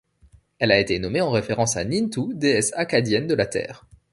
Elle a été nommée en référence à Nintu, déesse Akkadienne de la Terre.